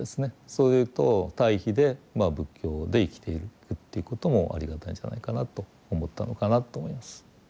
そういうと対比で仏教で生きていくっていうこともありがたいんじゃないかなと思ったのかなと思います。